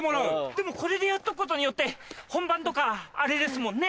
でもこれでやっとくことによって本番とかあれですもんね。